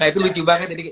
nah itu lucu banget